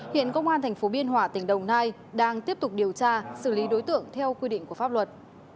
hiện công an thành phố biên hỏa tỉnh đồng nai đang tiếp tục điều tra xử lý đối tượng theo quy định của pháp luật